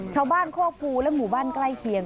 ชาวบ้านโคกภูและหมู่บ้านใกล้เคียง